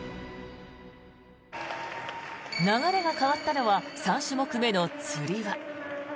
流れが変わったのは３種目目のつり輪。